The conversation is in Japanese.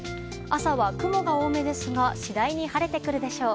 朝は雲が多めですが次第に晴れてくるでしょう。